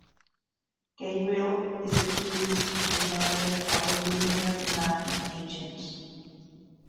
Gabriel is accused of the murder of a Linear Man agent.